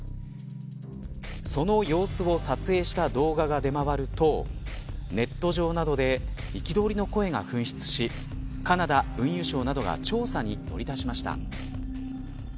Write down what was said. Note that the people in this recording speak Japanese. その様子を撮影した動画が出回るとネット上などで憤りの声が噴出しカナダ運輸省などが調査に乗り出しました。